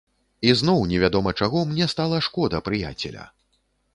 І зноў невядома чаго мне стала шкода прыяцеля.